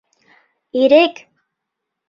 Ирек!